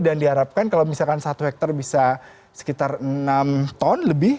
dan diharapkan kalau misalkan satu hektar bisa sekitar enam ton lebih